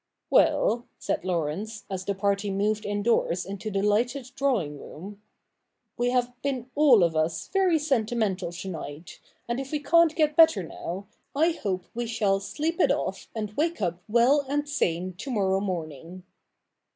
* Well,' said Laurence, as the party moved indoors into the lighted drawing room, ' we have been all of us very sentimental to night, and if we can't get better now, I hope we shall sleep it off and wake up well and sane to morrow morning.'